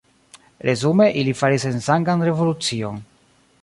Resume ili faris sensangan revolucion.